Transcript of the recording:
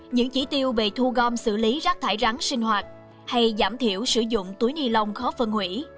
những chỉ tiêu về thu gom xử lý rác thải rắn sinh hoạt hay giảm thiểu sử dụng túi ni lông khó phân hủy